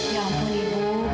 ya ampun ibu